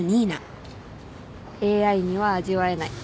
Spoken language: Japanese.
ＡＩには味わえない。